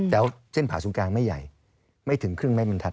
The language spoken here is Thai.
แต่ว่าเส้นผ่าสูงกลางไม่ใหญ่ไม่ถึงครึ่งไม่มันทัด